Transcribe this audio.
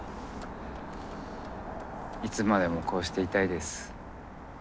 いつまでもこうしていたいです。